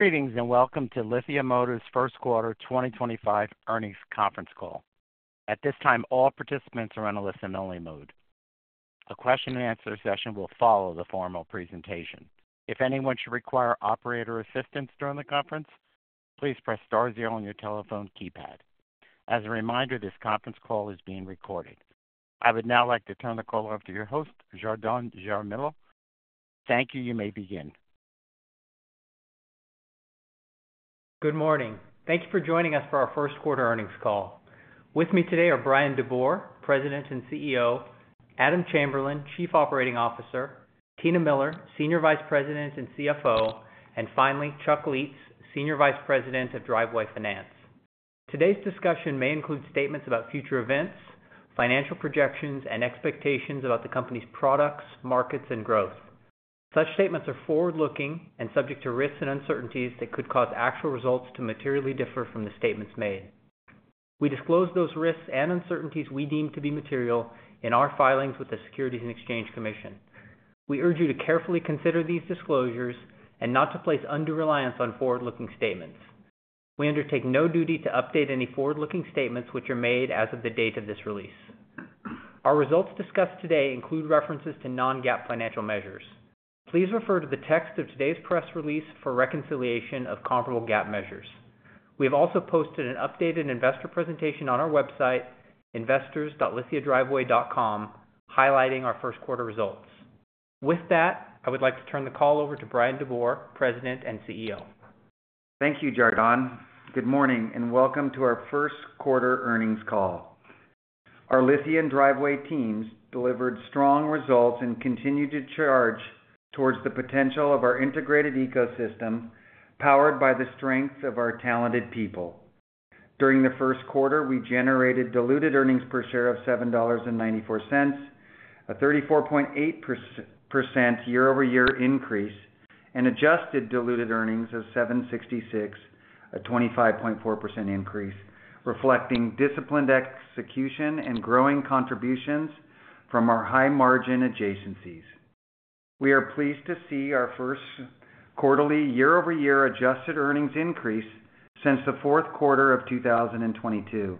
Greetings and welcome to Lithia Motors' first quarter 2025 earnings conference call. At this time, all participants are on a listen-only mode. A question-and-answer session will follow the formal presentation. If anyone should require operator assistance during the conference, please press star zero on your telephone keypad. As a reminder, this conference call is being recorded. I would now like to turn the call over to your host, Jardon Jaramillo. Thank you. You may begin. Good morning. Thank you for joining us for our first quarter earnings call. With me today are Bryan DeBoer, President and CEO; Adam Chamberlain, Chief Operating Officer; Tina Miller, Senior Vice President and CFO; and finally, Chuck Lietz, Senior Vice President of Driveway Finance. Today's discussion may include statements about future events, financial projections, and expectations about the company's products, markets, and growth. Such statements are forward-looking and subject to risks and uncertainties that could cause actual results to materially differ from the statements made. We disclose those risks and uncertainties we deem to be material in our filings with the Securities and Exchange Commission. We urge you to carefully consider these disclosures and not to place undue reliance on forward-looking statements. We undertake no duty to update any forward-looking statements which are made as of the date of this release. Our results discussed today include references to non-GAAP financial measures. Please refer to the text of today's press release for reconciliation of comparable GAAP measures. We have also posted an updated investor presentation on our website, investors.lithiadriveway.com, highlighting our first quarter results. With that, I would like to turn the call over to Bryan DeBoer, President and CEO. Thank you, Jardon. Good morning and welcome to our first quarter earnings call. Our Lithia and Driveway teams delivered strong results and continue to charge towards the potential of our integrated ecosystem powered by the strength of our talented people. During the first quarter, we generated diluted earnings per share of $7.94, a 34.8% year-over-year increase, and adjusted diluted earnings of $7.66, a 25.4% increase, reflecting disciplined execution and growing contributions from our high-margin adjacencies. We are pleased to see our first quarterly year-over-year adjusted earnings increase since the fourth quarter of 2022.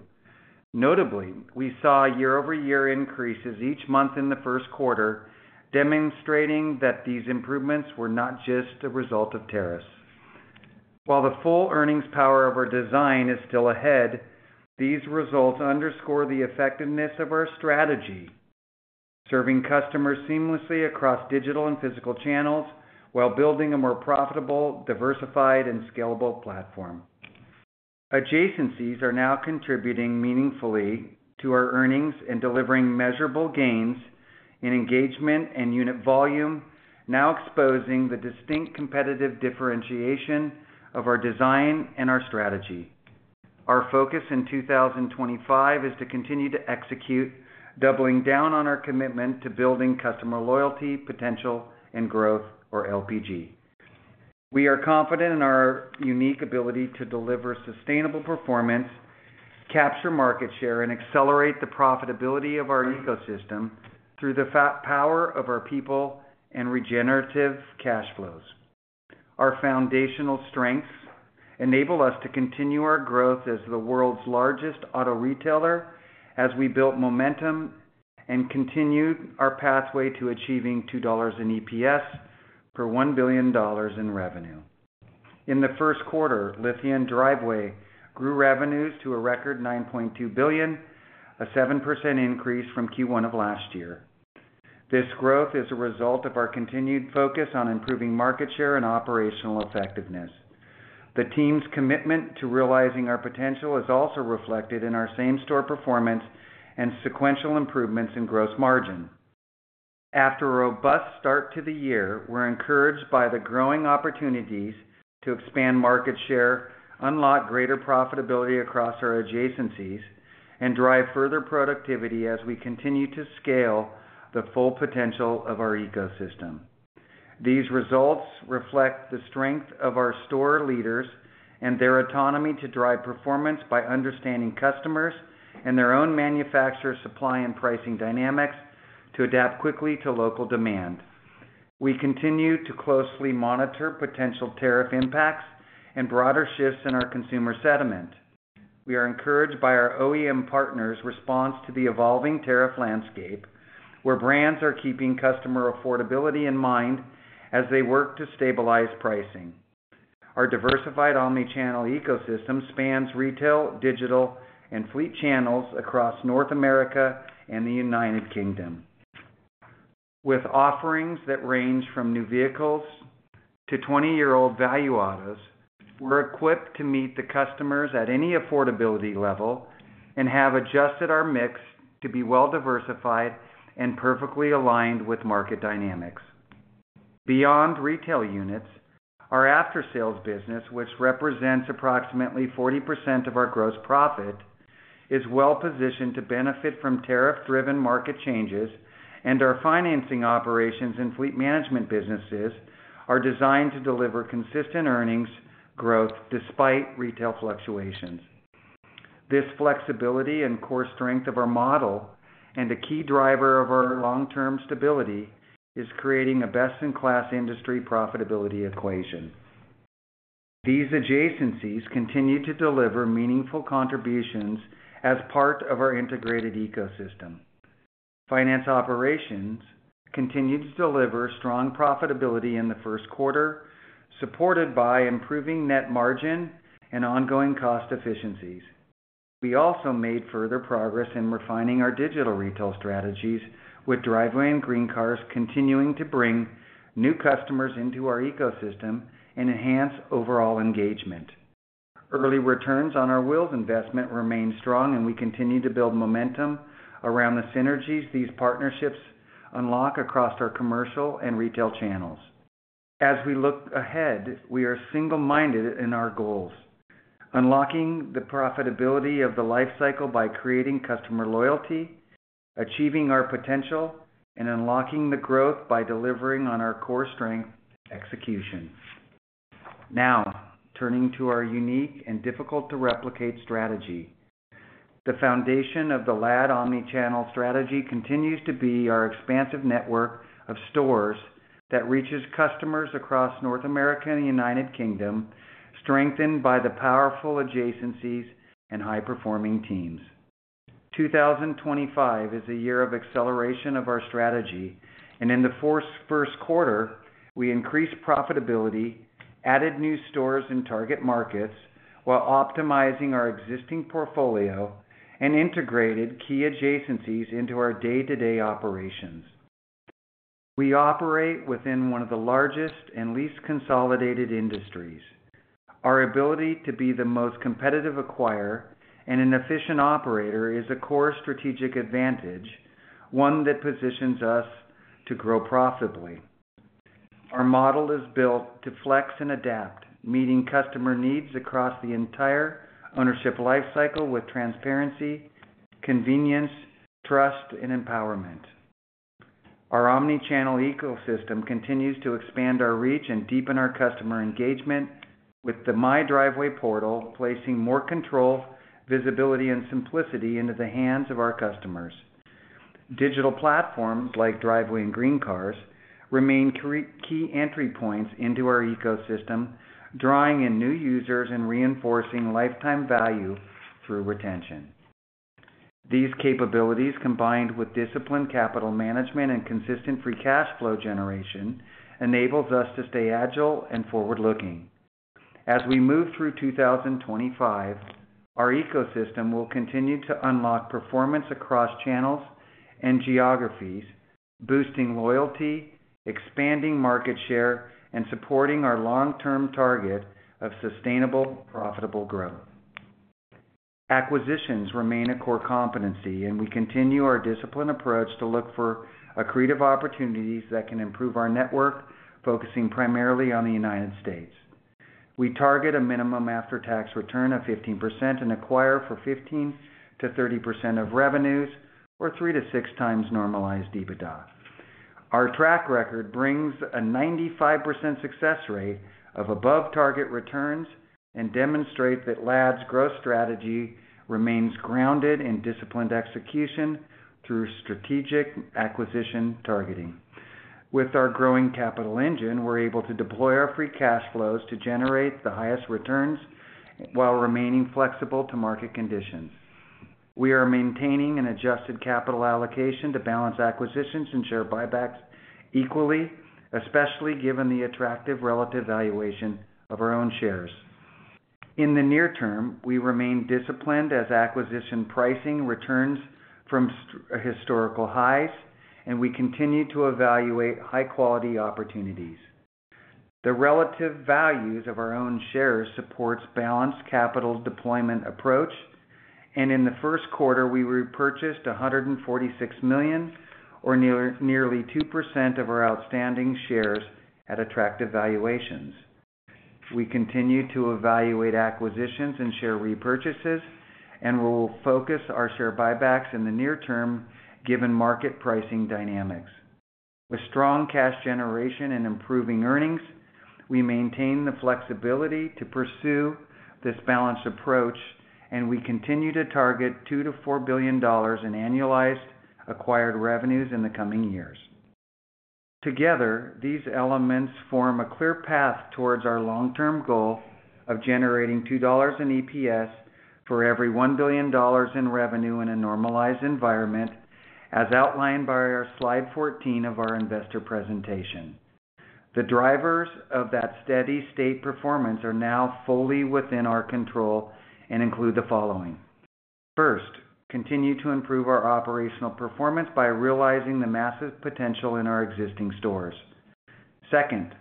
Notably, we saw year-over-year increases each month in the first quarter, demonstrating that these improvements were not just a result of tariffs. While the full earnings power of our design is still ahead, these results underscore the effectiveness of our strategy, serving customers seamlessly across digital and physical channels while building a more profitable, diversified, and scalable platform. Adjacencies are now contributing meaningfully to our earnings and delivering measurable gains in engagement and unit volume, now exposing the distinct competitive differentiation of our design and our strategy. Our focus in 2025 is to continue to execute, doubling down on our commitment to building customer loyalty, potential, and growth, or LPG. We are confident in our unique ability to deliver sustainable performance, capture market share, and accelerate the profitability of our ecosystem through the power of our people and regenerative cash flows. Our foundational strengths enable us to continue our growth as the world's largest auto retailer, as we built momentum and continued our pathway to achieving $2.00 in EPS per $1 billion in revenue. In the first quarter, Lithia and Driveway grew revenues to a record $9.2 billion, a 7% increase from Q1 of last year. This growth is a result of our continued focus on improving market share and operational effectiveness. The team's commitment to realizing our potential is also reflected in our same-store performance and sequential improvements in gross margin. After a robust start to the year, we're encouraged by the growing opportunities to expand market share, unlock greater profitability across our adjacencies, and drive further productivity as we continue to scale the full potential of our ecosystem. These results reflect the strength of our store leaders and their autonomy to drive performance by understanding customers and their own manufacturer supply and pricing dynamics to adapt quickly to local demand. We continue to closely monitor potential tariff impacts and broader shifts in our consumer sentiment. We are encouraged by our OEM partners' response to the evolving tariff landscape, where brands are keeping customer affordability in mind as they work to stabilize pricing. Our diversified omnichannel ecosystem spans retail, digital, and fleet channels across North America and the United Kingdom. With offerings that range from new vehicles to 20-year-old value autos, we're equipped to meet the customers at any affordability level and have adjusted our mix to be well-diversified and perfectly aligned with market dynamics. Beyond retail units, our after-sales business, which represents approximately 40% of our gross profit, is well-positioned to benefit from tariff-driven market changes, and our financing operations and fleet management businesses are designed to deliver consistent earnings growth despite retail fluctuations. This flexibility and core strength of our model, and a key driver of our long-term stability, is creating a best-in-class industry profitability equation. These adjacencies continue to deliver meaningful contributions as part of our integrated ecosystem. Finance operations continue to deliver strong profitability in the first quarter, supported by improving net margin and ongoing cost efficiencies. We also made further progress in refining our digital retail strategies, with Driveway and GreenCars continuing to bring new customers into our ecosystem and enhance overall engagement. Early returns on our Wheels investment remain strong, and we continue to build momentum around the synergies these partnerships unlock across our commercial and retail channels. As we look ahead, we are single-minded in our goals, unlocking the profitability of the life cycle by creating customer loyalty, achieving our potential, and unlocking the growth by delivering on our core strength execution. Now, turning to our unique and difficult-to-replicate strategy. The foundation of the LAD omnichannel strategy continues to be our expansive network of stores that reaches customers across North America and the United Kingdom, strengthened by the powerful adjacencies and high-performing teams. 2025 is a year of acceleration of our strategy, and in the first quarter, we increased profitability, added new stores in target markets while optimizing our existing portfolio and integrated key adjacencies into our day-to-day operations. We operate within one of the largest and least consolidated industries. Our ability to be the most competitive acquirer and an efficient operator is a core strategic advantage, one that positions us to grow profitably. Our model is built to flex and adapt, meeting customer needs across the entire ownership life cycle with transparency, convenience, trust, and empowerment. Our omnichannel ecosystem continues to expand our reach and deepen our customer engagement, with the MyDriveway portal placing more control, visibility, and simplicity into the hands of our customers. Digital platforms like Driveway and GreenCars remain key entry points into our ecosystem, drawing in new users and reinforcing lifetime value through retention. These capabilities, combined with disciplined capital management and consistent free cash flow generation, enable us to stay agile and forward-looking. As we move through 2025, our ecosystem will continue to unlock performance across channels and geographies, boosting loyalty, expanding market share, and supporting our long-term target of sustainable, profitable growth. Acquisitions remain a core competency, and we continue our disciplined approach to look for accretive opportunities that can improve our network, focusing primarily on the United States. We target a minimum after-tax return of 15% and acquire for 15%-30% of revenues, or three to six times normalized EBITDA. Our track record brings a 95% success rate of above-target returns and demonstrates that LAD's growth strategy remains grounded in disciplined execution through strategic acquisition targeting. With our growing capital engine, we're able to deploy our free cash flows to generate the highest returns while remaining flexible to market conditions. We are maintaining an adjusted capital allocation to balance acquisitions and share buybacks equally, especially given the attractive relative valuation of our own shares. In the near term, we remain disciplined as acquisition pricing returns from historical highs, and we continue to evaluate high-quality opportunities. The relative values of our own shares support a balanced capital deployment approach, and in the first quarter, we repurchased $146 million, or nearly 2% of our outstanding shares, at attractive valuations. We continue to evaluate acquisitions and share repurchases, and we will focus our share buybacks in the near term given market pricing dynamics. With strong cash generation and improving earnings, we maintain the flexibility to pursue this balanced approach, and we continue to target $2 billion-$4 billion in annualized acquired revenues in the coming years. Together, these elements form a clear path towards our long-term goal of generating $2.00 in EPS for every $1 billion in revenue in a normalized environment, as outlined by our slide 14 of our investor presentation. The drivers of that steady-state performance are now fully within our control and include the following: First, continue to improve our operational performance by realizing the massive potential in our existing stores. Second,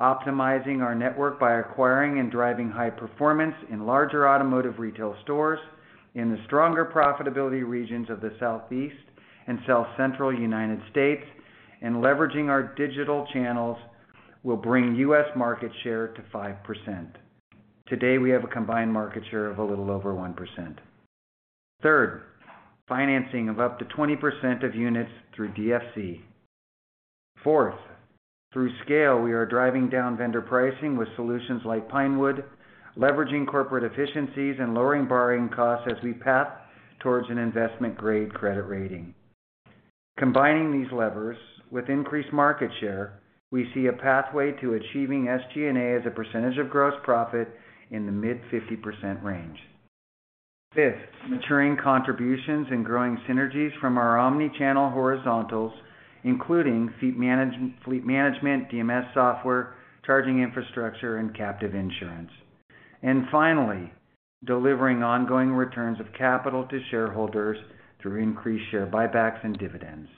optimizing our network by acquiring and driving high performance in larger automotive retail stores in the stronger profitability regions of the Southeast and South Central United States, and leveraging our digital channels will bring U.S. market share to 5%. Today, we have a combined market share of a little over 1%. Third, financing of up to 20% of units through DFC. Fourth, through scale, we are driving down vendor pricing with solutions like Pinewood, leveraging corporate efficiencies and lowering borrowing costs as we path towards an investment-grade credit rating. Combining these levers with increased market share, we see a pathway to achieving SG&A as a percentage of gross profit in the mid-50% range. Fifth, maturing contributions and growing synergies from our omnichannel horizontals, including fleet management, DMS software, charging infrastructure, and captive insurance. Finally, delivering ongoing returns of capital to shareholders through increased share buybacks and dividends.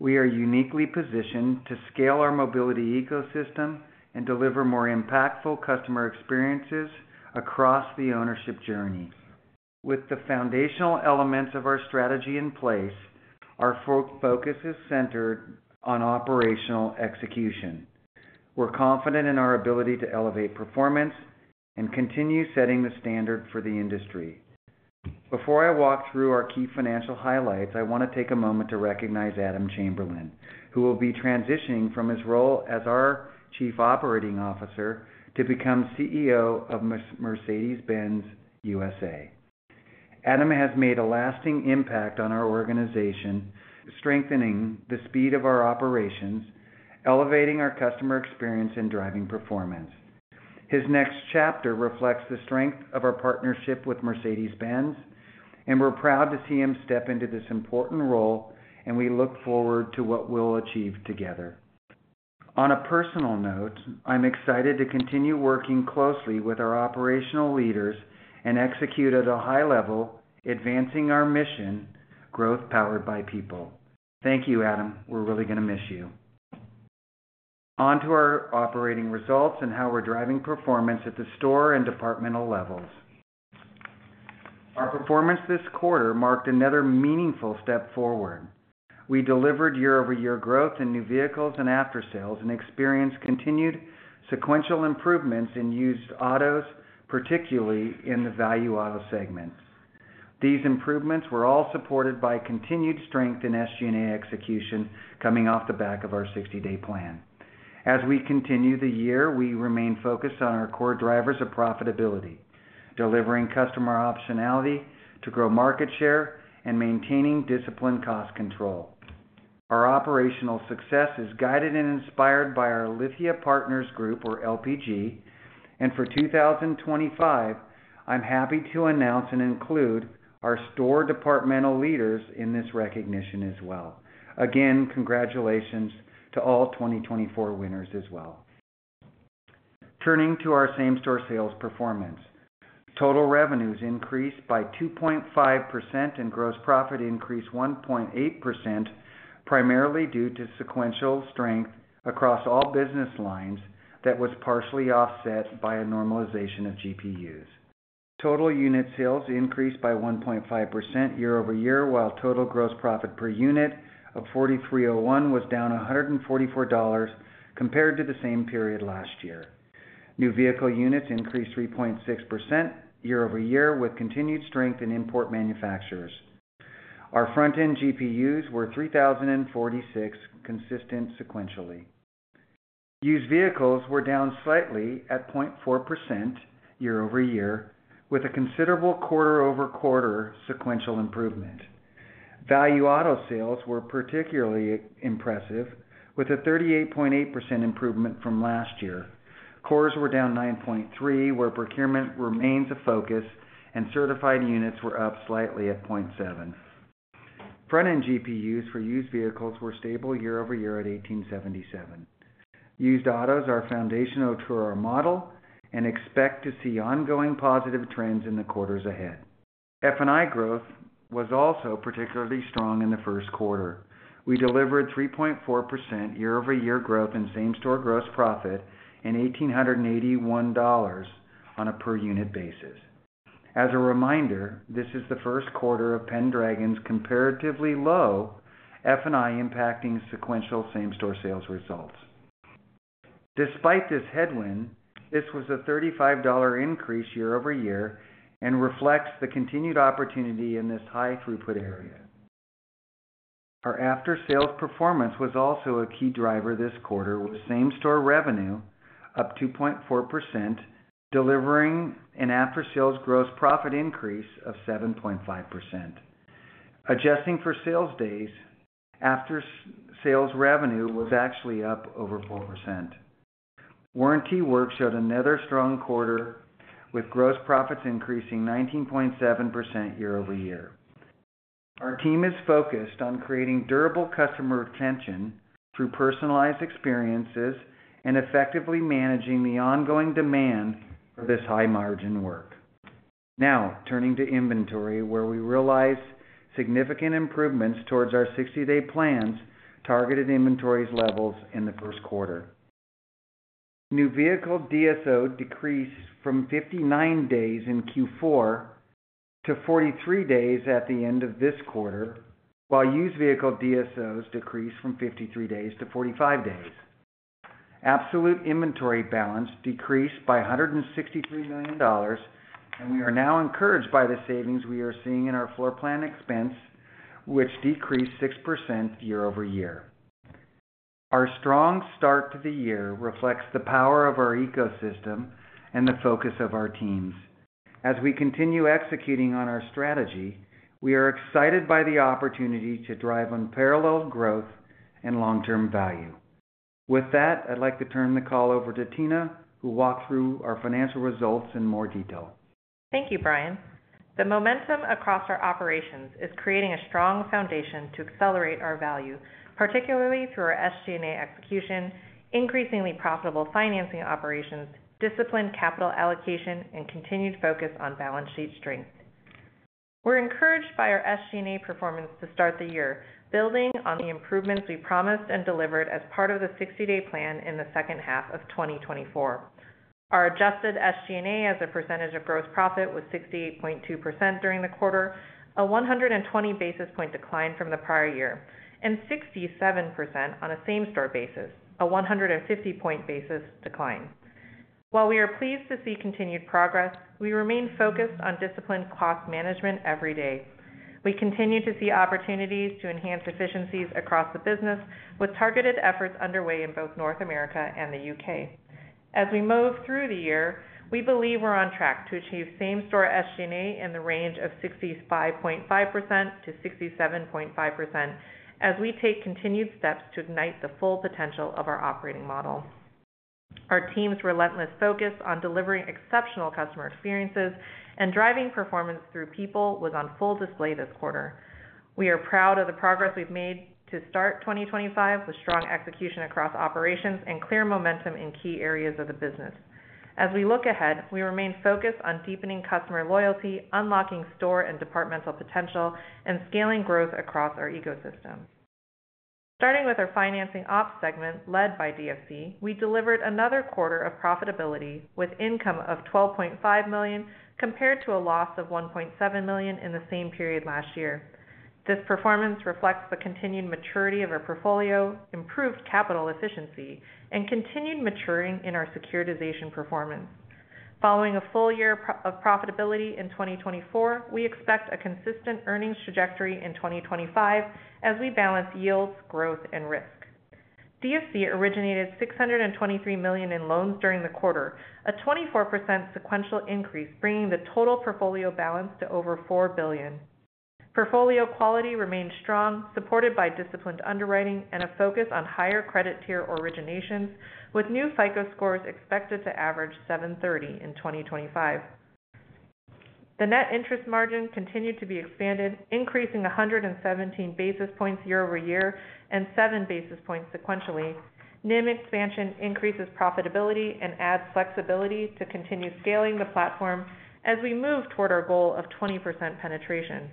We are uniquely positioned to scale our mobility ecosystem and deliver more impactful customer experiences across the ownership journey. With the foundational elements of our strategy in place, our focus is centered on operational execution. We're confident in our ability to elevate performance and continue setting the standard for the industry. Before I walk through our key financial highlights, I want to take a moment to recognize Adam Chamberlain, who will be transitioning from his role as our Chief Operating Officer to become CEO of Mercedes-Benz USA. Adam has made a lasting impact on our organization, strengthening the speed of our operations, elevating our customer experience, and driving performance. His next chapter reflects the strength of our partnership with Mercedes-Benz, and we're proud to see him step into this important role, and we look forward to what we'll achieve together. On a personal note, I'm excited to continue working closely with our operational leaders and execute at a high level, advancing our mission, growth powered by people. Thank you, Adam. We're really going to miss you. On to our operating results and how we're driving performance at the store and departmental levels. Our performance this quarter marked another meaningful step forward. We delivered year-over-year growth in new vehicles and after-sales, and experienced continued sequential improvements in used autos, particularly in the value auto segment. These improvements were all supported by continued strength in SG&A execution coming off the back of our 60-day plan. As we continue the year, we remain focused on our core drivers of profitability, delivering customer optionality to grow market share and maintaining disciplined cost control. Our operational success is guided and inspired by our Lithia Partners Group, or LPG, and for 2025, I'm happy to announce and include our store departmental leaders in this recognition as well. Again, congratulations to all 2024 winners as well. Turning to our same-store sales performance, total revenues increased by 2.5% and gross profit increased 1.8%, primarily due to sequential strength across all business lines that was partially offset by a normalization of GPUs. Total unit sales increased by 1.5% year-over-year, while total gross profit per unit of $4,301 was down $144 compared to the same period last year. New vehicle units increased 3.6% year-over-year with continued strength in import manufacturers. Our front-end GPUs were $3,046 consistent sequentially. Used vehicles were down slightly at 0.4% year-over-year, with a considerable quarter-over-quarter sequential improvement. Value auto sales were particularly impressive, with a 38.8% improvement from last year. Cores were down 9.3%, where procurement remains a focus, and certified units were up slightly at 0.7%. Front-end GPUs for used vehicles were stable year-over-year at $1,877. Used autos are foundational to our model and expect to see ongoing positive trends in the quarters ahead. F&I growth was also particularly strong in the first quarter. We delivered 3.4% year-over-year growth in same-store gross profit and $1,881 on a per-unit basis. As a reminder, this is the first quarter of Pendragon's comparatively low F&I impacting sequential same-store sales results. Despite this headwind, this was a $35 increase year-over-year and reflects the continued opportunity in this high-throughput area. Our after-sales performance was also a key driver this quarter, with same-store revenue up 2.4%, delivering an after-sales gross profit increase of 7.5%. Adjusting for sales days, after-sales revenue was actually up over 4%. Warranty work showed another strong quarter, with gross profits increasing 19.7% year-over-year. Our team is focused on creating durable customer retention through personalized experiences and effectively managing the ongoing demand for this high-margin work. Now, turning to inventory, where we realize significant improvements towards our 60-day plans targeted inventory's levels in the first quarter. New vehicle DSO decreased from 59 days in Q4 to 43 days at the end of this quarter, while used vehicle DSOs decreased from 53 days to 45 days. Absolute inventory balance decreased by $163 million, and we are now encouraged by the savings we are seeing in our floor plan expense, which decreased 6% year-over-year. Our strong start to the year reflects the power of our ecosystem and the focus of our teams. As we continue executing on our strategy, we are excited by the opportunity to drive unparalleled growth and long-term value. With that, I'd like to turn the call over to Tina, who will walk through our financial results in more detail. Thank you, Bryan. The momentum across our operations is creating a strong foundation to accelerate our value, particularly through our SG&A execution, increasingly profitable financing operations, disciplined capital allocation, and continued focus on balance sheet strength. We're encouraged by our SG&A performance to start the year, building on the improvements we promised and delivered as part of the 60-day plan in the second half of 2024. Our adjusted SG&A as a percentage of gross profit was 68.2% during the quarter, a 120 basis point decline from the prior year, and 67% on a same-store basis, a 150 basis point decline. While we are pleased to see continued progress, we remain focused on disciplined cost management every day. We continue to see opportunities to enhance efficiencies across the business, with targeted efforts underway in both North America and the U.K. As we move through the year, we believe we're on track to achieve same-store SG&A in the range of 65.5%-67.5% as we take continued steps to ignite the full potential of our operating model. Our team's relentless focus on delivering exceptional customer experiences and driving performance through people was on full display this quarter. We are proud of the progress we've made to start 2025 with strong execution across operations and clear momentum in key areas of the business. As we look ahead, we remain focused on deepening customer loyalty, unlocking store and departmental potential, and scaling growth across our ecosystem. Starting with our financing ops segment led by DFC, we delivered another quarter of profitability with income of $12.5 million compared to a loss of $1.7 million in the same period last year. This performance reflects the continued maturity of our portfolio, improved capital efficiency, and continued maturing in our securitization performance. Following a full year of profitability in 2024, we expect a consistent earnings trajectory in 2025 as we balance yields, growth, and risk. DFC originated $623 million in loans during the quarter, a 24% sequential increase bringing the total portfolio balance to over $4 billion. Portfolio quality remained strong, supported by disciplined underwriting and a focus on higher credit tier originations, with new FICO scores expected to average 730 in 2025. The net interest margin continued to be expanded, increasing 117 basis points year-over-year and 7 basis points sequentially. NIM expansion increases profitability and adds flexibility to continue scaling the platform as we move toward our goal of 20% penetration.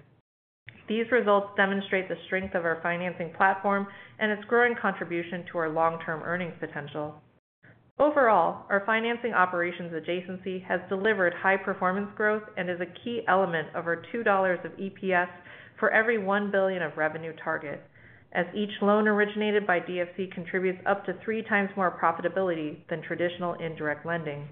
These results demonstrate the strength of our financing platform and its growing contribution to our long-term earnings potential. Overall, our financing operations adjacency has delivered high performance growth and is a key element of our $2.00 of EPS for every $1 billion of revenue target, as each loan originated by DFC contributes up to three times more profitability than traditional indirect lending.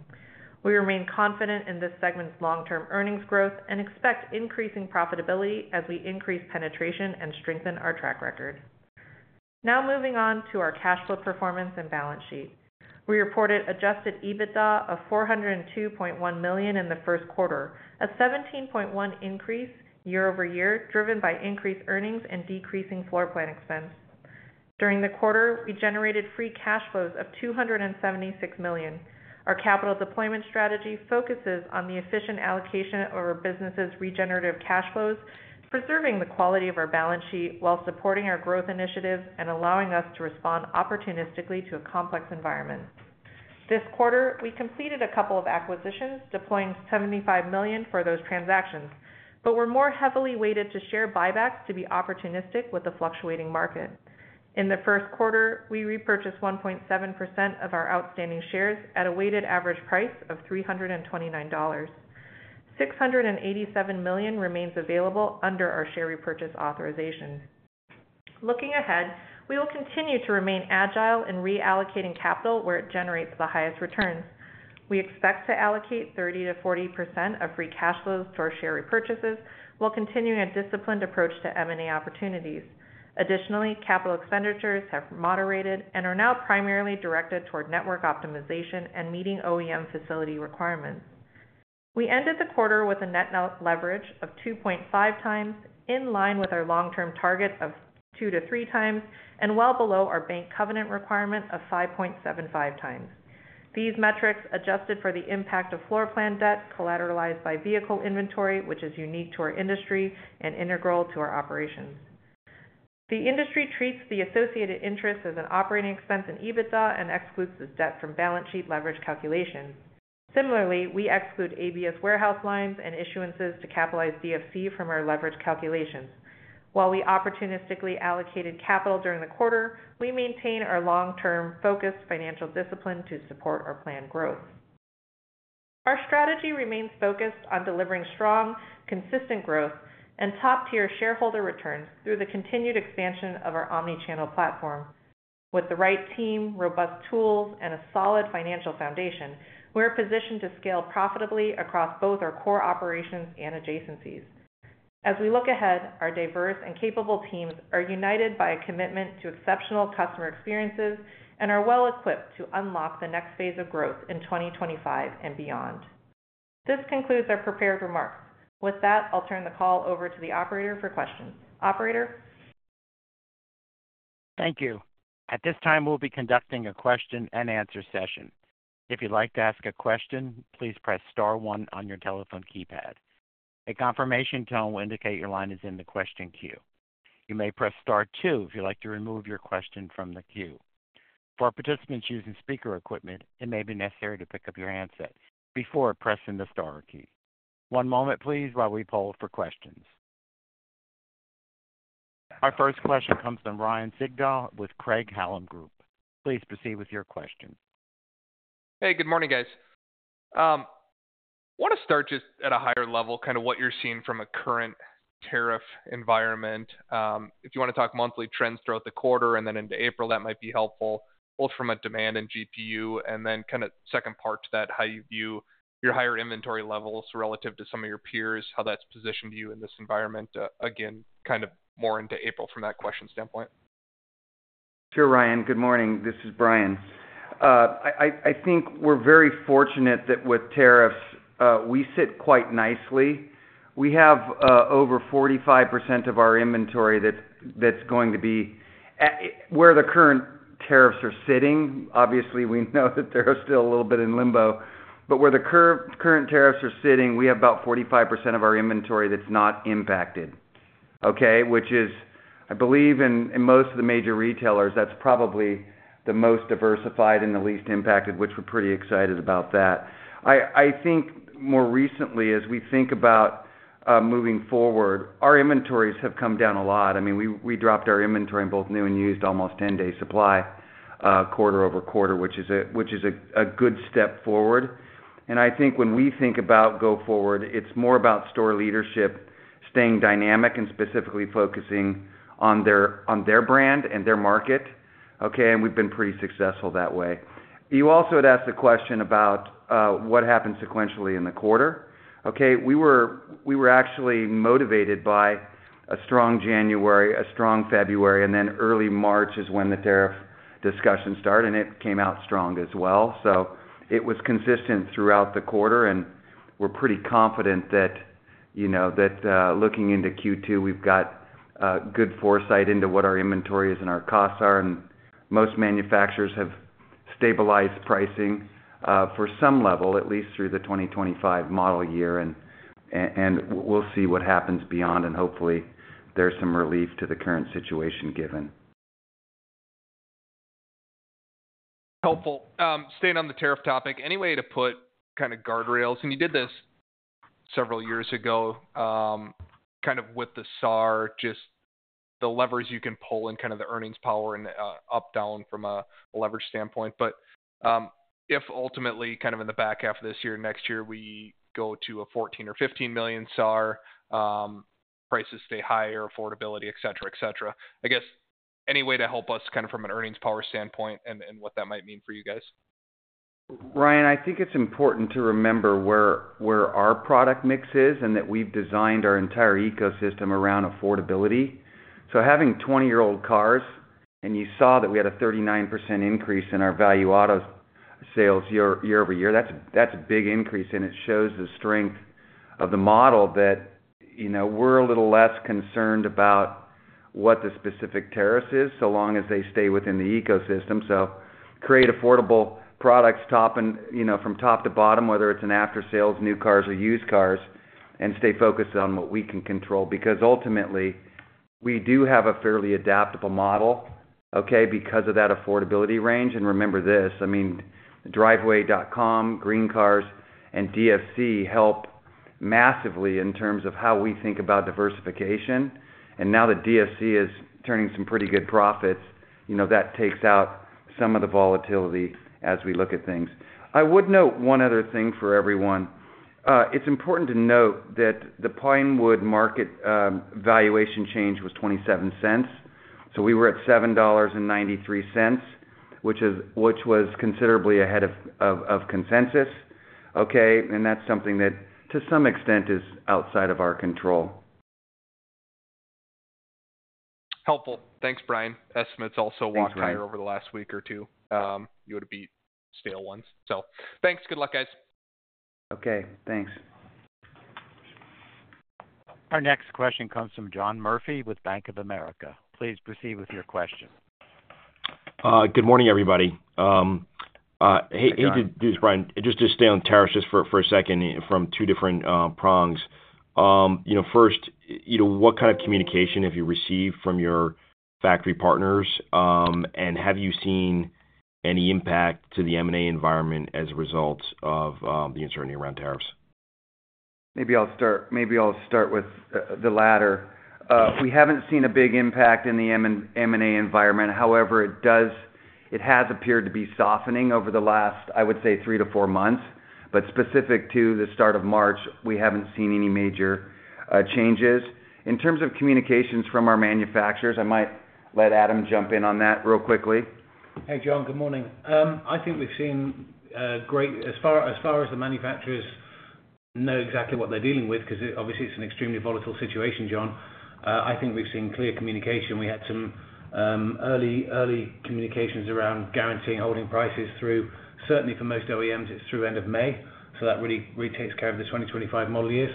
We remain confident in this segment's long-term earnings growth and expect increasing profitability as we increase penetration and strengthen our track record. Now moving on to our cash flow performance and balance sheet. We reported adjusted EBITDA of $402.1 million in the first quarter, a 17.1% increase year-over-year driven by increased earnings and decreasing floor plan expense. During the quarter, we generated free cash flows of $276 million. Our capital deployment strategy focuses on the efficient allocation of our business's regenerative cash flows, preserving the quality of our balance sheet while supporting our growth initiatives and allowing us to respond opportunistically to a complex environment. This quarter, we completed a couple of acquisitions, deploying $75 million for those transactions, but were more heavily weighted to share buybacks to be opportunistic with the fluctuating market. In the first quarter, we repurchased 1.7% of our outstanding shares at a weighted average price of $329. $687 million remains available under our share repurchase authorization. Looking ahead, we will continue to remain agile in reallocating capital where it generates the highest returns. We expect to allocate 30%-40% of free cash flows to our share repurchases while continuing a disciplined approach to M&A opportunities. Additionally, capital expenditures have moderated and are now primarily directed toward network optimization and meeting OEM facility requirements. We ended the quarter with a net leverage of 2.5 times, in line with our long-term target of 2-3 times and well below our bank covenant requirement of 5.75 times. These metrics adjusted for the impact of floor plan debt collateralized by vehicle inventory, which is unique to our industry and integral to our operations. The industry treats the associated interest as an operating expense in EBITDA and excludes this debt from balance sheet leverage calculations. Similarly, we exclude ABS warehouse lines and issuances to capitalize DFC from our leverage calculations. While we opportunistically allocated capital during the quarter, we maintain our long-term focused financial discipline to support our planned growth. Our strategy remains focused on delivering strong, consistent growth and top-tier shareholder returns through the continued expansion of our omnichannel platform. With the right team, robust tools, and a solid financial foundation, we're positioned to scale profitably across both our core operations and adjacencies. As we look ahead, our diverse and capable teams are united by a commitment to exceptional customer experiences and are well-equipped to unlock the next phase of growth in 2025 and beyond. This concludes our prepared remarks. With that, I'll turn the call over to the operator for questions. Operator. Thank you. At this time, we'll be conducting a question-and-answer session. If you'd like to ask a question, please press star one on your telephone keypad. A confirmation tone will indicate your line is in the question queue. You may press star two if you'd like to remove your question from the queue. For participants using speaker equipment, it may be necessary to pick up your handset before pressing the star key. One moment, please, while we poll for questions. Our first question comes from Ryan Sigdahl with Craig-Hallum Group. Please proceed with your question. Hey, good morning, guys. I want to start just at a higher level, kind of what you're seeing from a current tariff environment. If you want to talk monthly trends throughout the quarter and then into April, that might be helpful, both from a demand and GPU, and then kind of second part to that, how you view your higher inventory levels relative to some of your peers, how that's positioned you in this environment, again, kind of more into April from that question standpoint. Sure, Ryan. Good morning. This is Bryan. I think we're very fortunate that with tariffs, we sit quite nicely. We have over 45% of our inventory that's going to be where the current tariffs are sitting. Obviously, we know that they're still a little bit in limbo, but where the current tariffs are sitting, we have about 45% of our inventory that's not impacted, okay, which is, I believe, in most of the major retailers, that's probably the most diversified and the least impacted, which we're pretty excited about that. I think more recently, as we think about moving forward, our inventories have come down a lot. I mean, we dropped our inventory in both new and used almost 10-day supply quarter-over-quarter, which is a good step forward. I think when we think about go forward, it's more about store leadership staying dynamic and specifically focusing on their brand and their market, okay, and we've been pretty successful that way. You also had asked the question about what happened sequentially in the quarter. Okay, we were actually motivated by a strong January, a strong February, and then early March is when the tariff discussion started, and it came out strong as well. It was consistent throughout the quarter, and we're pretty confident that looking into Q2, we've got good foresight into what our inventory is and our costs are, and most manufacturers have stabilized pricing for some level, at least through the 2025 model year, and we'll see what happens beyond, and hopefully, there's some relief to the current situation given. Helpful. Staying on the tariff topic, any way to put kind of guardrails, and you did this several years ago kind of with the SAAR, just the levers you can pull and kind of the earnings power and up down from a leverage standpoint, but if ultimately kind of in the back half of this year and next year, we go to a 14 million or 15 million SAAR, prices stay higher, affordability, etc., etc. I guess any way to help us kind of from an earnings power standpoint and what that might mean for you guys? Ryan, I think it's important to remember where our product mix is and that we've designed our entire ecosystem around affordability. Having 20-year-old cars and you saw that we had a 39% increase in our value auto sales year-over-year, that's a big increase, and it shows the strength of the model that we're a little less concerned about what the specific tariff is so long as they stay within the ecosystem. Create affordable products from top to bottom, whether it's after-sales, new cars, or used cars, and stay focused on what we can control because ultimately, we do have a fairly adaptable model, okay, because of that affordability range. Remember this, I mean, Driveway, GreenCars, and DFC help massively in terms of how we think about diversification. Now that DFC is turning some pretty good profits, that takes out some of the volatility as we look at things. I would note one other thing for everyone. It's important to note that the Pinewood market valuation change was $0.27. So we were at $7.93, which was considerably ahead of consensus, okay, and that's something that to some extent is outside of our control. Helpful. Thanks, Bryan. Estimates also walked higher over the last week or two. You would have beat stale ones. Thanks. Good luck, guys. Okay. Thanks. Our next question comes from John Murphy with Bank of America. Please proceed with your question. Good morning, everybody. Hey, just Bryan, just to stay on tariffs just for a second from two different prongs. First, what kind of communication have you received from your factory partners, and have you seen any impact to the M&A environment as a result of the uncertainty around tariffs? Maybe I'll start with the latter. We haven't seen a big impact in the M&A environment. However, it has appeared to be softening over the last, I would say, three to four months, but specific to the start of March, we have not seen any major changes. In terms of communications from our manufacturers, I might let Adam jump in on that real quickly. Hey, John, good morning. I think we have seen great as far as the manufacturers know exactly what they are dealing with because obviously, it is an extremely volatile situation, John. I think we have seen clear communication. We had some early communications around guaranteeing holding prices through, certainly for most OEMs, it is through end of May. That really takes care of the 2025 model years.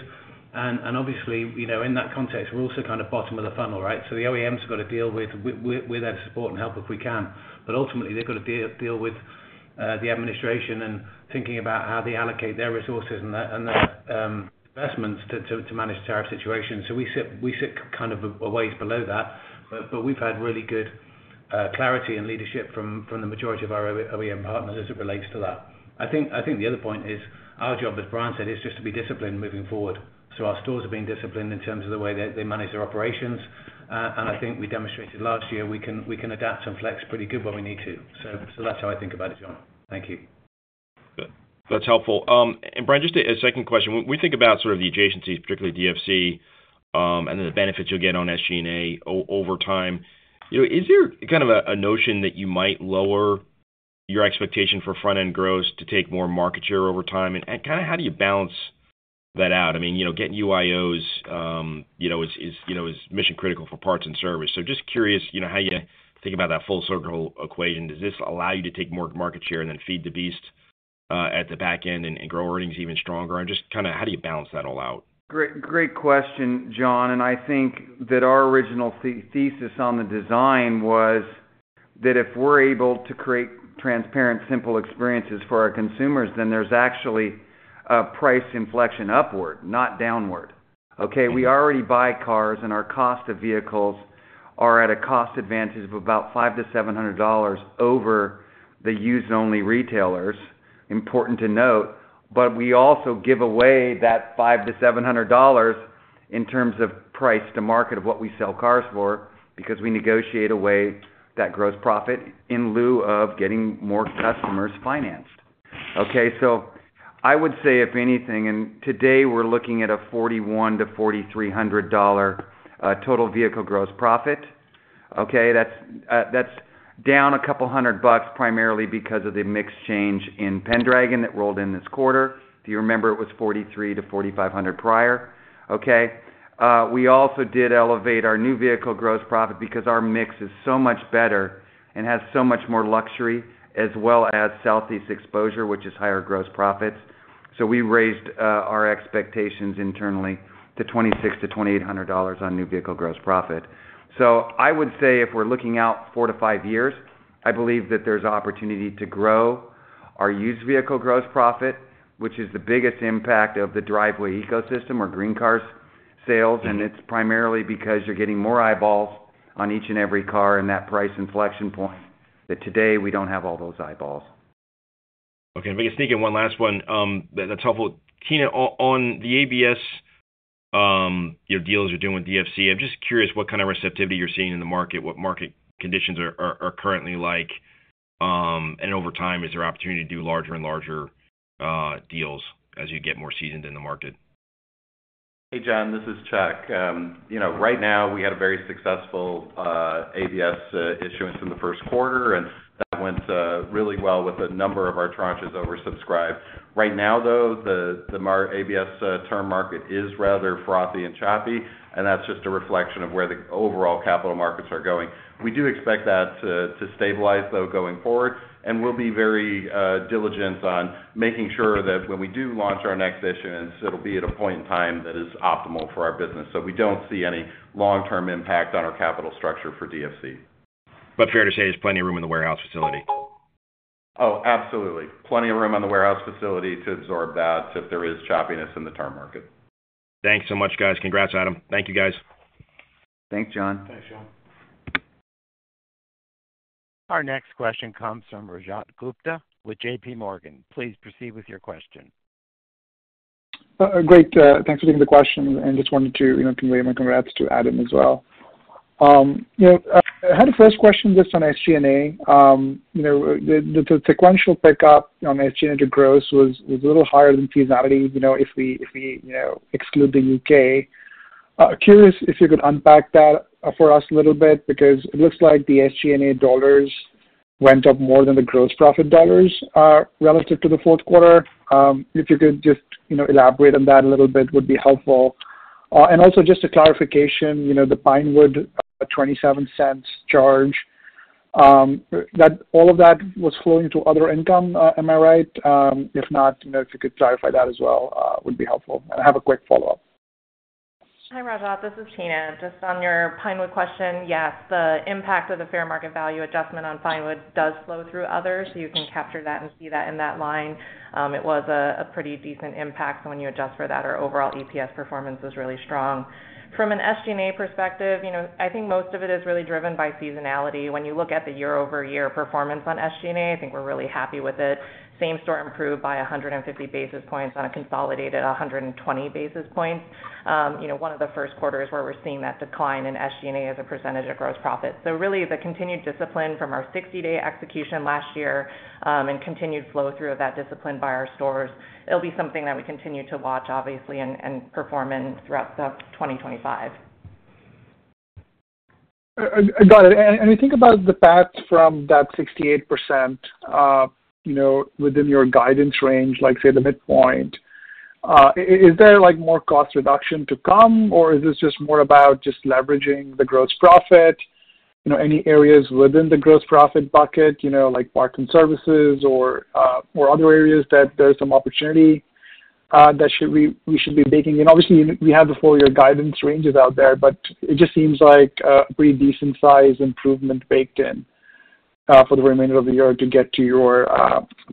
Obviously, in that context, we are also kind of bottom of the funnel, right? The OEMs have got to deal with their support and help if we can. Ultimately, they've got to deal with the administration and thinking about how they allocate their resources and their investments to manage tariff situations. We sit kind of a ways below that, but we've had really good clarity and leadership from the majority of our OEM partners as it relates to that. I think the other point is our job, as Bryan said, is just to be disciplined moving forward. Our stores are being disciplined in terms of the way they manage their operations. I think we demonstrated last year we can adapt and flex pretty good when we need to. That's how I think about it, John. Thank you. That's helpful. Bryan, just a second question. When we think about sort of the adjacencies, particularly DFC, and then the benefits you'll get on SG&A over time, is there kind of a notion that you might lower your expectation for front-end growth to take more market share over time? How do you balance that out? I mean, getting UIOs is mission-critical for parts and service. Just curious how you think about that full circle equation. Does this allow you to take more market share and then feed the beast at the back end and grow earnings even stronger? How do you balance that all out? Great question, John. I think that our original thesis on the design was that if we're able to create transparent, simple experiences for our consumers, then there's actually a price inflection upward, not downward. Okay? We already buy cars, and our cost of vehicles are at a cost advantage of about $500-$700 over the used-only retailers. Important to note, but we also give away that $500-$700 in terms of price to market of what we sell cars for because we negotiate away that gross profit in lieu of getting more customers financed. Okay? I would say, if anything, and today we're looking at a $4,100-$4,300 total vehicle gross profit. Okay? That's down a couple hundred bucks primarily because of the mix change in Pendragon that rolled in this quarter. Do you remember it was $4,300-$4,500 prior? Okay? We also did elevate our new vehicle gross profit because our mix is so much better and has so much more luxury as well as Southeast exposure, which is higher gross profits. We raised our expectations internally to $2,600-$2,800 on new vehicle gross profit. I would say if we're looking out four to five years, I believe that there's opportunity to grow our used vehicle gross profit, which is the biggest impact of the Driveway ecosystem or GreenCars sales. It's primarily because you're getting more eyeballs on each and every car and that price inflection point that today we don't have all those eyeballs. Okay. I'm going to sneak in one last one that's helpful. Tina, on the ABS, your deals you're doing with DFC, I'm just curious what kind of receptivity you're seeing in the market, what market conditions are currently like, and over time, is there opportunity to do larger and larger deals as you get more seasoned in the market? Hey, John, this is Chuck. Right now, we had a very successful ABS issuance in the first quarter, and that went really well with a number of our tranches oversubscribed. Right now, though, the ABS term market is rather frothy and choppy, and that's just a reflection of where the overall capital markets are going. We do expect that to stabilize, though, going forward, and we'll be very diligent on making sure that when we do launch our next issuance, it'll be at a point in time that is optimal for our business. We don't see any long-term impact on our capital structure for DFC. Fair to say there's plenty of room in the warehouse facility. Oh, absolutely. Plenty of room on the warehouse facility to absorb that if there is choppiness in the term market. Thanks so much, guys. Congrats, Adam. Thank you, guys. Thanks, John. Thanks, John. Our next question comes from Rajat Gupta with JPMorgan. Please proceed with your question. Great. Thanks for taking the question, and just wanted to convey my congrats to Adam as well. I had a first question just on SG&A. The sequential pickup on SG&A to gross was a little higher than seasonality if we exclude the U.K. Curious if you could unpack that for us a little bit because it looks like the SG&A dollars went up more than the gross profit dollars relative to the fourth quarter. If you could just elaborate on that a little bit would be helpful. Also just a clarification, the Pinewood $0.27 charge, all of that was flowing to other income, am I right? If not, if you could clarify that as well would be helpful. I have a quick follow-up. Hi, Rajat. This is Tina. Just on your Pinewood question, yes, the impact of the fair market value adjustment on Pinewood does flow through others, so you can capture that and see that in that line. It was a pretty decent impact. When you adjust for that, our overall EPS performance was really strong. From an SG&A perspective, I think most of it is really driven by seasonality. When you look at the year-over-year performance on SG&A, I think we're really happy with it. Same store improved by 150 basis points on a consolidated 120 basis points. This is one of the first quarters where we're seeing that decline in SG&A as a percentage of gross profit. The continued discipline from our 60-day execution last year and continued flow through of that discipline by our stores, it'll be something that we continue to watch, obviously, and perform in throughout 2025. Got it. When you think about the facts from that 68% within your guidance range, like say the midpoint, is there more cost reduction to come, or is this just more about just leveraging the gross profit? Any areas within the gross profit bucket, like parts and services or other areas that there's some opportunity that we should be baking in? Obviously, we have the four-year guidance ranges out there, but it just seems like a pretty decent-sized improvement baked in for the remainder of the year to get to your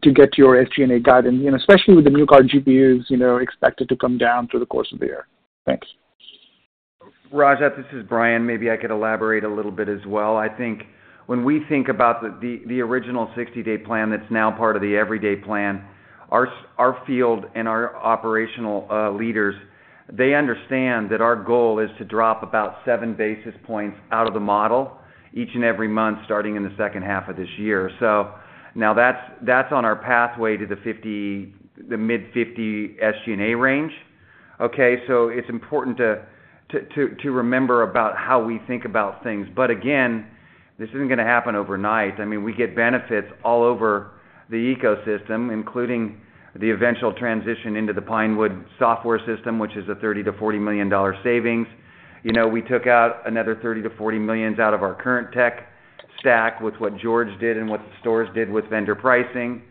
SG&A guidance, especially with the new car GPUs expected to come down through the course of the year. Thanks. Rajat, this is Bryan. Maybe I could elaborate a little bit as well. I think when we think about the original 60-day plan that's now part of the everyday plan, our field and our operational leaders, they understand that our goal is to drop about seven basis points out of the model each and every month starting in the second half of this year. Now that's on our pathway to the mid-50% SG&A range. Okay? It's important to remember about how we think about things. Again, this isn't going to happen overnight. I mean, we get benefits all over the ecosystem, including the eventual transition into the Pinewood software system, which is a $30 million-$40 million savings. We took out another $30 million-$40 million out of our current tech stack with what George did and what the stores did with vendor pricing.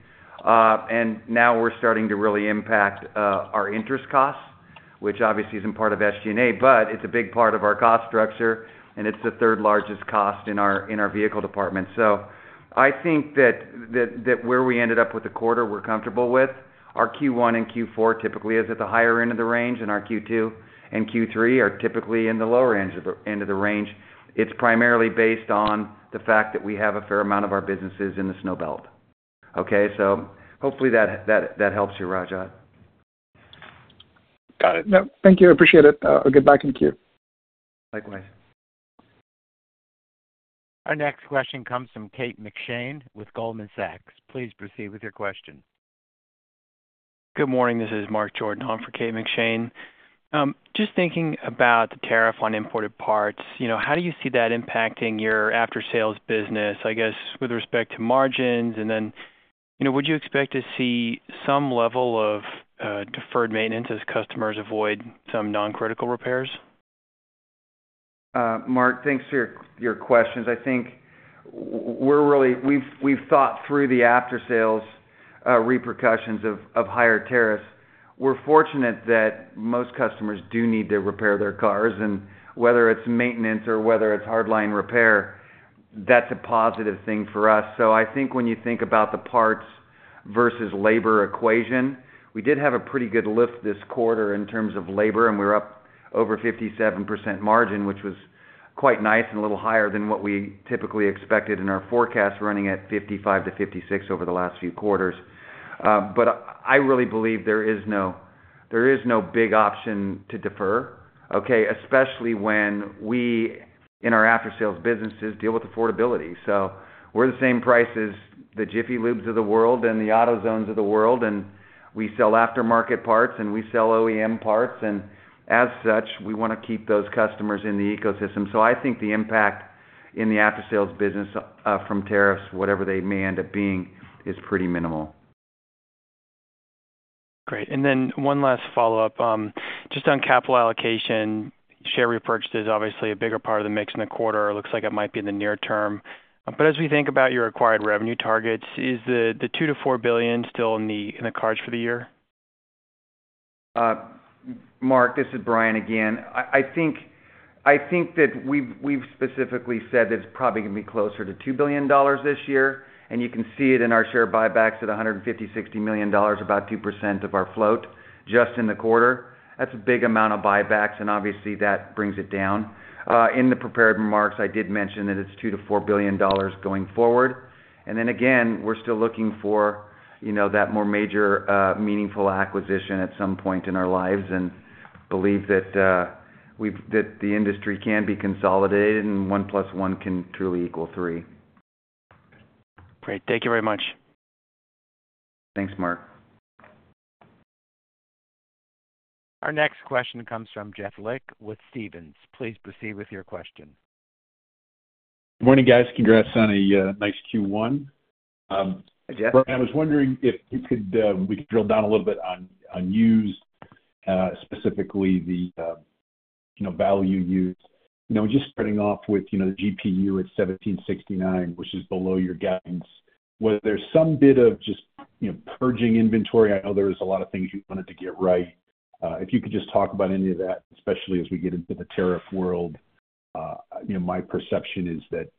Now we're starting to really impact our interest costs, which obviously isn't part of SG&A, but it's a big part of our cost structure, and it's the third largest cost in our vehicle department. I think that where we ended up with the quarter we're comfortable with, our Q1 and Q4 typically is at the higher end of the range, and our Q2 and Q3 are typically in the lower end of the range. It's primarily based on the fact that we have a fair amount of our businesses in the snow belt. Okay? Hopefully that helps you, Rajat. Got it. Yep. Thank you. Appreciate it. I'll get back in queue. Likewise. Our next question comes from Kate McShane with Goldman Sachs. Please proceed with your question. Good morning. This is Mark Jordan for Kate McShane. Just thinking about the tariff on imported parts, how do you see that impacting your after-sales business, I guess, with respect to margins? And then would you expect to see some level of deferred maintenance as customers avoid some non-critical repairs? Mark, thanks for your questions. I think we've thought through the after-sales repercussions of higher tariffs. We're fortunate that most customers do need to repair their cars. Whether it's maintenance or whether it's hardline repair, that's a positive thing for us. I think when you think about the parts versus labor equation, we did have a pretty good lift this quarter in terms of labor, and we're up over 57% margin, which was quite nice and a little higher than what we typically expected in our forecast running at 55%-56% over the last few quarters. I really believe there is no big option to defer, okay, especially when we in our after-sales businesses deal with affordability. We are the same price as the Jiffy Lubes of the world and the AutoZones of the world, and we sell aftermarket parts and we sell OEM parts. As such, we want to keep those customers in the ecosystem. I think the impact in the after-sales business from tariffs, whatever they may end up being, is pretty minimal. Great. One last follow-up. Just on capital allocation, share repurchase is obviously a bigger part of the mix in the quarter. It looks like it might be in the near term. As we think about your acquired revenue targets, is the $2 billion-$4 billion still in the cards for the year? Mark, this is Bryan again. I think that we've specifically said that it's probably going to be closer to $2 billion this year. You can see it in our share buybacks at $150-$160 million, about 2% of our float just in the quarter. That's a big amount of buybacks, and obviously, that brings it down. In the prepared remarks, I did mention that it's $2 billion-$4 billion going forward. We are still looking for that more major meaningful acquisition at some point in our lives and believe that the industry can be consolidated and one plus one can truly equal three. Great. Thank you very much. Thanks, Mark. Our next question comes from Jeff Lick with Stephens. Please proceed with your question. Good morning, guys. Congrats on a nice Q1. I was wondering if we could drill down a little bit on use, specifically the value use. Just starting off with the GPU at $1,769, which is below your guidance. Was there some bit of just purging inventory? I know there was a lot of things you wanted to get right. If you could just talk about any of that, especially as we get into the tariff world, my perception is that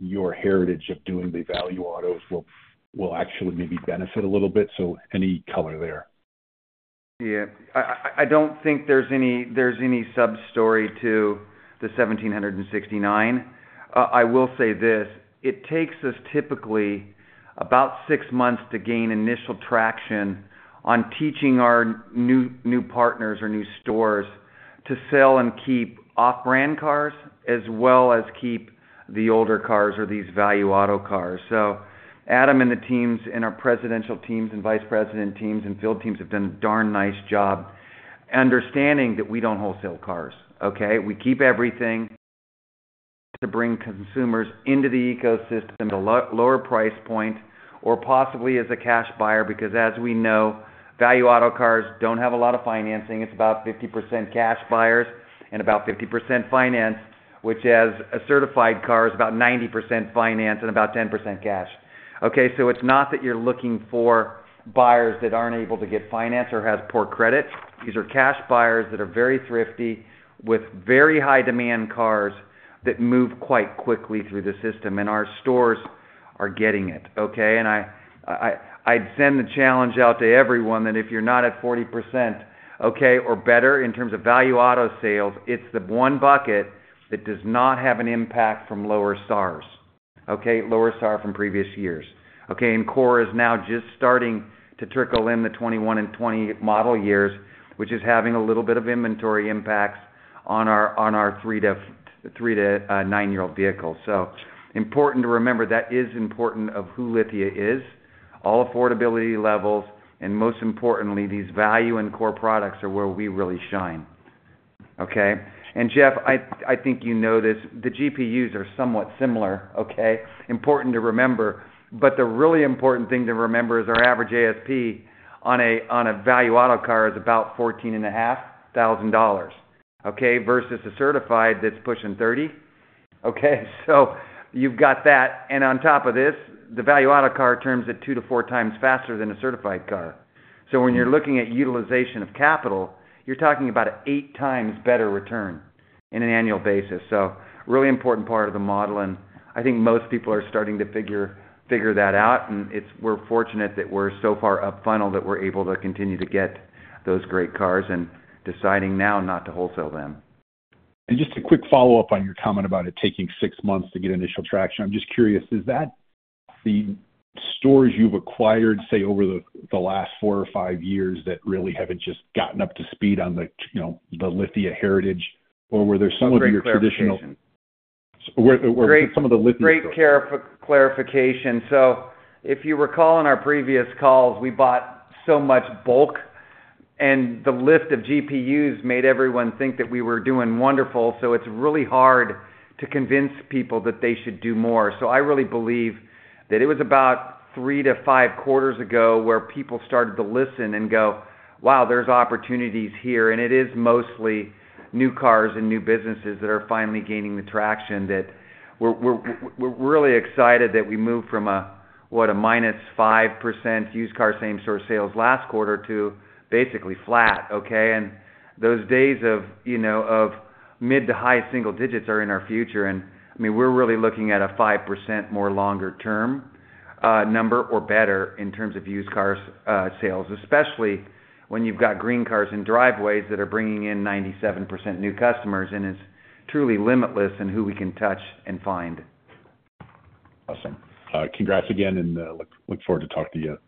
your heritage of doing the value autos will actually maybe benefit a little bit. Any color there? Yeah. I do not think there is any substory to the $1,769. I will say this: it takes us typically about six months to gain initial traction on teaching our new partners or new stores to sell and keep off-brand cars as well as keep the older cars or these value auto cars. Adam and the teams and our presidential teams and vice president teams and field teams have done a darn nice job understanding that we don't wholesale cars. Okay? We keep everything to bring consumers into the ecosystem at a lower price point or possibly as a cash buyer because, as we know, value auto cars don't have a lot of financing. It's about 50% cash buyers and about 50% financed, whereas a certified car is about 90% financed and about 10% cash. Okay? It's not that you're looking for buyers that aren't able to get financed or have poor credit. These are cash buyers that are very thrifty with very high-demand cars that move quite quickly through the system, and our stores are getting it. Okay? I'd send the challenge out to everyone that if you're not at 40% or better in terms of value auto sales, it's the one bucket that does not have an impact from lower SAARs. Lower SAAR from previous years. Core is now just starting to trickle in the 2021 and 2020 model years, which is having a little bit of inventory impacts on our three to nine-year-old vehicles. Important to remember that is important of who Lithia is, all affordability levels, and most importantly, these value and core products are where we really shine. Jeff, I think you know this. The GPUs are somewhat similar. Important to remember. The really important thing to remember is our average ASP on a value auto car is about $14,500, versus a certified that's pushing $30,000. You've got that. On top of this, the value auto car turns at two to four times faster than a certified car. When you're looking at utilization of capital, you're talking about an eight times better return in an annual basis. Really important part of the model. I think most people are starting to figure that out. We're fortunate that we're so far up final that we're able to continue to get those great cars and deciding now not to wholesale them. Just a quick follow-up on your comment about it taking six months to get initial traction. I'm just curious, is that the stores you've acquired, say, over the last four or five years that really haven't just gotten up to speed on the Lithia heritage, or were there some of your traditional? Or some of the Lithia stores? Great clarification. If you recall in our previous calls, we bought so much bulk, and the lift of GPUs made everyone think that we were doing wonderful. It is really hard to convince people that they should do more. I really believe that it was about three to five quarters ago where people started to listen and go, "Wow, there's opportunities here." It is mostly new cars and new businesses that are finally gaining the traction that we are really excited that we moved from a, what, a minus 5% used car same-store sales last quarter to basically flat. Okay? Those days of mid to high single digits are in our future. I mean, we're really looking at a 5% more longer-term number or better in terms of used car sales, especially when you've got GreenCars and Driveway that are bringing in 97% new customers, and it's truly limitless in who we can touch and find. Awesome. Congrats again, and look forward to talking to you.